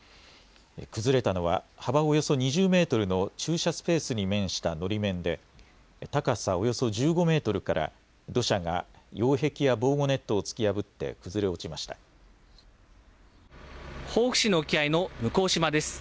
崩れたのは、幅およそ２０メートルの駐車スペースに面したのり面で、高さおよそ１５メートルから土砂が擁壁や防護ネットを突き破って防府市の沖合の向島です。